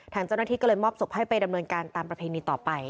ทางเจ้าหน้าที่ก็เลยมอบศพให้ไปดำเนินการตามประเพณีต่อไป